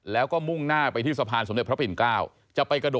แล้วก็เดินไป